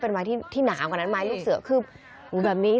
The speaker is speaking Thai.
เป็นไม้ที่หนาวกว่านั้นไม้ลูกเสือคือแบบนี้